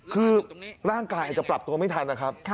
คือร่างกายอาจจะปรับตัวไม่ทันนะครับ